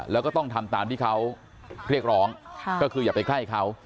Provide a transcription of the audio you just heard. แล้วก็ต้องทำตามที่เขาเรียกร้องก็คืออย่าไปใกล้เขา